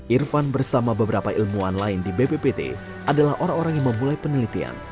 irfan bersama beberapa ilmuwan lain di bppt adalah orang orang yang memulai penelitian